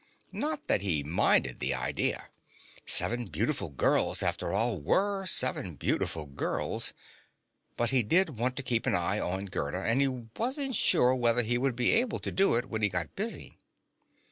Not that he minded the idea. Seven beautiful girls, after all, were seven beautiful girls. But he did want to keep an eye on Gerda, and he wasn't sure whether he would be able to do it when he got busy.